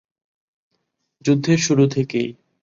যুদ্ধের শুরু থেকেই।